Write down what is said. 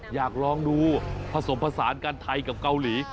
อยากลองดูผสมผสานกันไทยกับเกาหลี